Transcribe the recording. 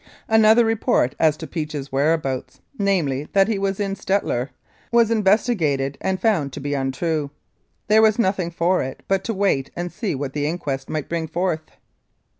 Another report as to Peach's whereabouts, namely, that he was in Stettler, was investigated and found to be untrue. There was nothing for it but to wait and see what the inquest might bring forth.